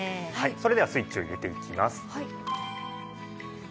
それではスイッチを入れていきます。